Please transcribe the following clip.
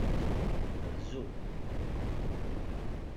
Rzu.